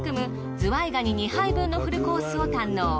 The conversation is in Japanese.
ズワイガニ２杯分のフルコースを堪能。